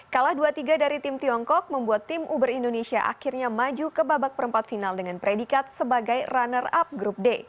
kalah dua tiga dari tim tiongkok membuat tim uber indonesia akhirnya maju ke babak perempat final dengan predikat sebagai runner up grup d